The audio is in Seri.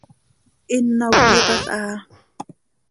Hino cöyitalhaa.